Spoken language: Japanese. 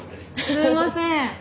すいません。